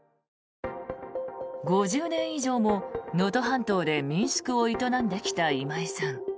５０年以上も能登半島で民宿を営んできた今井さん。